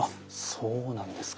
そうなんですか。